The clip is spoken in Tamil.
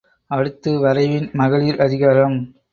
அடுத்து வரைவின் மகளிர் அதிகாரம்.